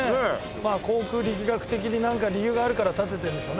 まあ航空力学的になんか理由があるから立ててるんでしょうね。